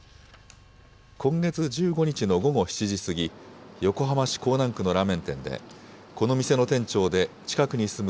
今月１５日の午後７時過ぎ、横浜市港南区のラーメン店で、この店の店長で、近くに住む